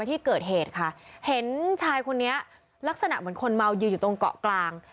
ที่เกิดเหตุค่ะเห็นชายคนนี้ลักษณะเหมือนคนเมายืนอยู่ตรงเกาะกลาง